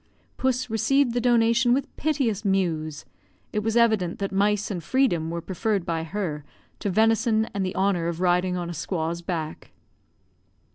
Puss received the donation with piteous mews; it was evident that mice and freedom were preferred by her to venison and the honour of riding on a squaw's back.